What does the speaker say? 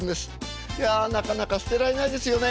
いやなかなか捨てられないですよね。